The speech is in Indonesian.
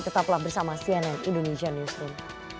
tetaplah bersama cnn indonesia newsroom